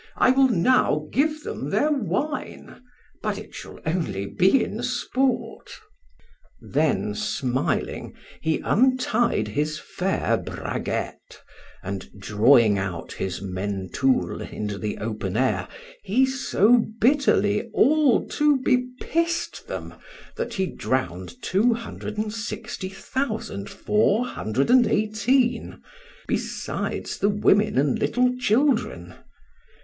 I will now give them their wine, but it shall be only in sport. Then smiling, he untied his fair braguette, and drawing out his mentul into the open air, he so bitterly all to bepissed them, that he drowned two hundred and sixty thousand, four hundred and eighteen, besides the women and little children.